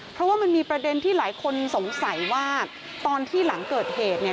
เพราะว่ามันมีประเด็นที่หลายคนสงสัยว่าตอนที่หลังเกิดเหตุเนี่ย